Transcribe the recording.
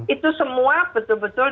itu semua betul betul